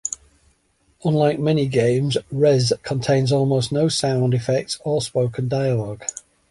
Unlike many games, "Rez" contains almost no sound effects or spoken dialogue.